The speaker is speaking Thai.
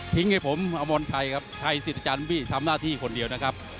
ทิ้งให้ผมอมรไทยครับไทยสิทธิ์อาจารย์บีทำหน้าที่คนเดียวนะครับ